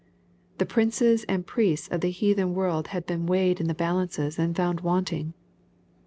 The princes and priests of the heathen world had been weighed in the balances and found wanting.